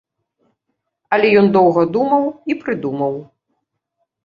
Але ён доўга думаў і прыдумаў.